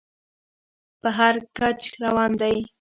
په هر کچ روان دى.